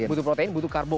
butuh protein butuh karbo